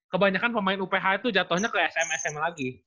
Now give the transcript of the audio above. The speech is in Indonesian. kebanyakan pemain uph itu jatohnya ke sm sm lagi